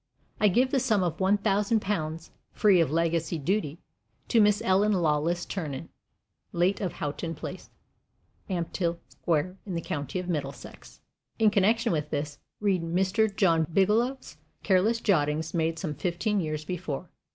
I give the sum of one thousand pounds, free of legacy duty, to Miss Ellen Lawless Ternan, late of Houghton Place, Ampthill Square, in the county of Middlesex. In connection with this, read Mr. John Bigelow's careless jottings made some fifteen years before.